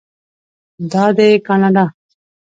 دا دی کاناډا.